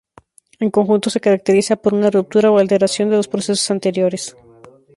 En conjunto se caracteriza por una ruptura o alteración de los procesos anteriores.